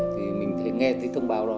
thì mình nghe thấy thông báo đó